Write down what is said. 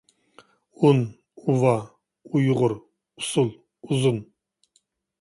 ئۇن، ئۇۋا، ئۇيغۇر، ئۇسسۇل، ئۇزۇن.